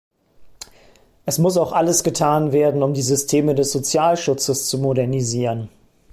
Es muss auch alles getan werden, um die Systeme des Sozialschutzes zu modernisieren.